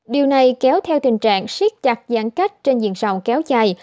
điều này kéo theo tình trạng siết chặt giãn cách trên diện rộng kéo dài